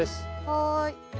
はい。